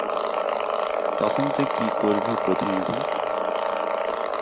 তখন তুই কি করবি প্রতিনিধি?